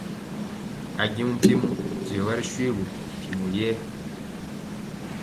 Ajeŋg mpiemɔ diɔga ri shoégu ntimɔ yɛɛ.